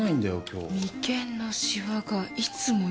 眉間のシワがいつもより深い。